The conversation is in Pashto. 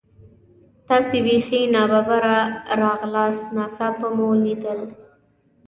تاسې بیخي نا ببره راغلاست، ناڅاپه مو لیدل.